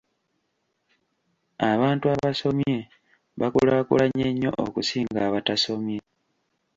Abantu abasomye bakulaakulanye nnyo okusinga abatasomye.